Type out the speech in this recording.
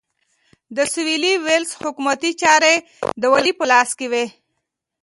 د سوېلي ویلز حکومتي چارې د والي په لاس کې وې.